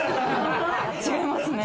違いますね。